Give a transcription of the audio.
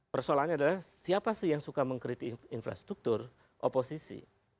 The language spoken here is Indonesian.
persoalannya adalah siapa sih yang suka mengkritik infrastruktur oposisi